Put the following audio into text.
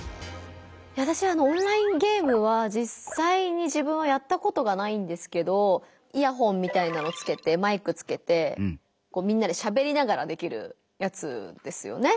わたしはオンラインゲームはじっさいに自分はやったことがないんですけどイヤホンみたいなのつけてマイクつけてみんなでしゃべりながらできるやつですよね。